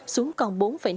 xuống còn bốn